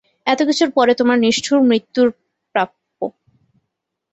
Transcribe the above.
এত কিছুর পরে তোমার নিষ্ঠুর মৃত্যুর প্রাপ্য।